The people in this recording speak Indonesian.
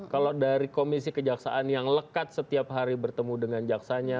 kalau dari komisi kejaksaan yang lekat setiap hari bertemu dengan jaksanya